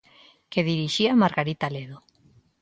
Que dirixía Margarita Ledo.